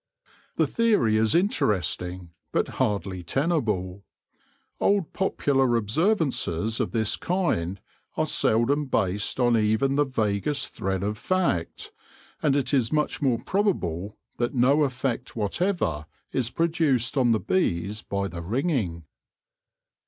The theory is interesting, but hardly tenable. Old popular observances of this kind are seldom based on even the vaguest thread of fact, and it is much more probable that no effect whatever is produced on the bees by the ringing.